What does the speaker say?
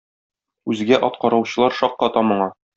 Үзгә ат караучылар шакката моңа.